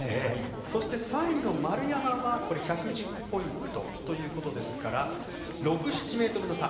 そして３位の丸山は１１０ポイントということですから６７ｍの差。